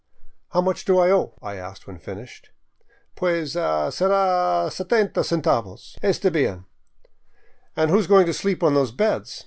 " How much do I owe ?" I asked when I finished. " Pues — ah — sera setenta centavos." " Esta bien. And who is going to sleep on those beds